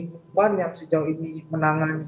perempuan yang sejauh ini menangani